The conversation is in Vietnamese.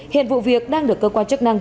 hiện vụ việc đang được cơ quan chức năng